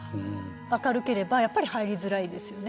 明るければやっぱり入りづらいですよね。